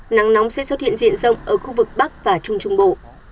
nắng nóng sẽ xuất hiện diện rộng ở khu vực bắc và trung trung bộ